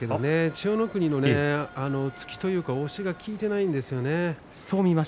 千代の国の突きというか押しが効いていないんですよね。